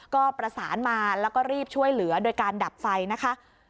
ก็ประสานมาแล้วก็รีบช่วยเหลือโดยการดับไฟนะคะ